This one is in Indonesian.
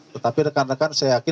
tetapi rekan rekan saya yakin